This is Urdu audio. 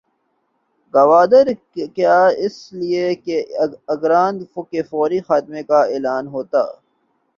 گوارا کیا اس لیے کہ اگر ان کے فوری خاتمے کا اعلان ہوتا